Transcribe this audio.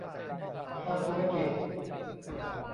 ภาคธุรกิจ